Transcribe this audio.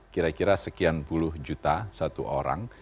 kira kira sekian puluh juta satu orang